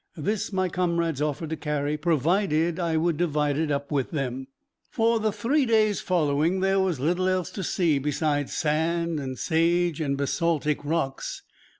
This my comrades offered to carry provided I would divide with them. For the three days following there was little else to see besides sand and sage and basaltic rocks.